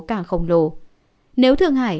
cảng khổng lồ nếu thượng hải